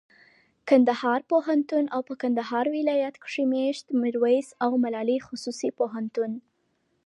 کندهار پوهنتون او په کندهار ولایت کښي مېشت میرویس او ملالي خصوصي پوهنتون